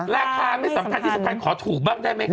ราคาไม่สำคัญที่สำคัญขอถูกบ้างได้ไหมค